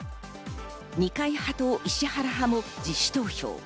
二階派と石原派も自主投票。